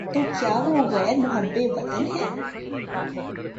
تو کیا وہ غیر محب وطن ہے؟